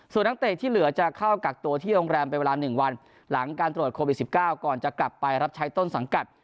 ส่วนนักเตะที่เหลือจะเข้ากักตัวที่โรงแรมเป็นเวลา๑วันหลังการตรวจโควิด๑๙ก่อนจะกลับไปรับใช้ต้นสังกัด